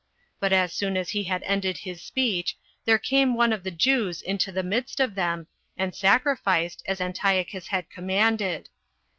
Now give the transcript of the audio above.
But as soon as he had ended his speech, there came one of the Jews into the midst of them, and sacrificed, as Antiochus had commanded.